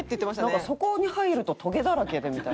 なんかそこに入ると「トゲだらけで」みたいな。